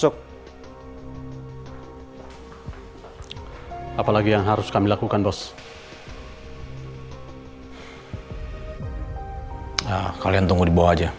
ya kalian tunggu di bawah aja